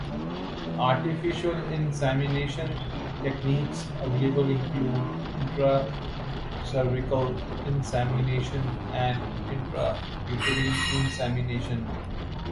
Artificial insemination techniques available include intracervical insemination and intrauterine insemination.